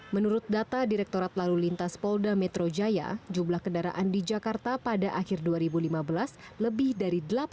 menurut data direktorat lalu lintas polda metro jaya jumlah kendaraan di jakarta pada akhir dua ribu lima belas lebih dari delapan puluh